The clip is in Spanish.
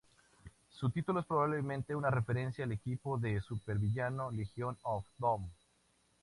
Su título es probablemente una referencia al equipo de supervillano Legion of Doom.